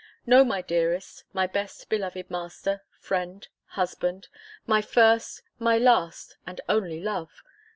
No, my dearest, my best beloved master, friend, husband, my first, my last, and only love!